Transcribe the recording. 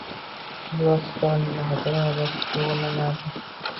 Kulgi ostiga olingan xatolar albatta to`g`irlanardi